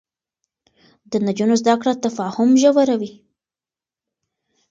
د نجونو زده کړه تفاهم ژوروي.